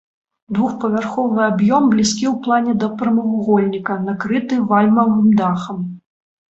Двухпавярховы аб'ём блізкі ў плане да прамавугольніка, накрыты вальмавым дахам.